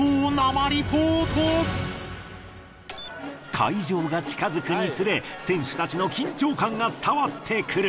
会場が近づくにつれ選手たちの緊張感が伝わってくる。